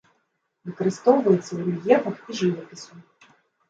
Выкарыстоўваецца ў рэльефах і жывапісу.